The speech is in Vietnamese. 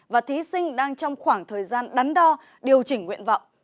và thí sinh đang trong khoảng thời gian đắn đo điều chỉnh nguyện vọng